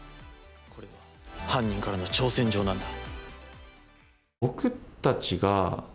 犯人からの挑戦状なんだ。